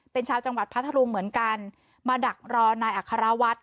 เป็นชาวจังหวัดพัทธรุงเหมือนกันมาดักรอนายอัครวัฒน์